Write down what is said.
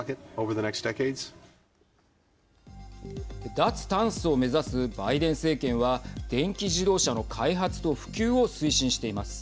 脱炭素を目指すバイデン政権は電気自動車の開発と普及を推進しています。